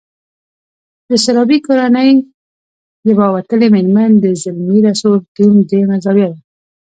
د سرابي کورنۍ يوه وتلې مېرمن د زلمي رسول ټیم درېيمه زاویه ده.